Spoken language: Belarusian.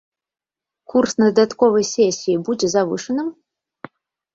Курс на дадатковай сесіі будзе завышаным?